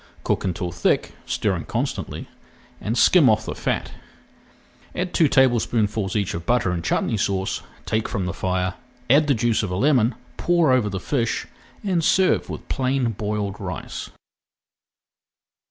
Cook until thick, stirring constantly, and skim off the fat. Add two tablespoonfuls each of butter and chutney sauce, take from the fire, add the juice of a lemon, pour over the fish, and serve with plain boiled rice.